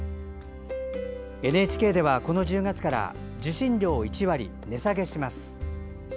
ＮＨＫでは、この１０月から受信料を１割値下げします。